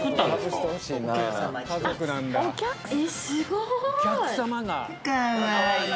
すごい。